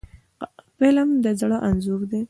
فلم د زړه انځور دی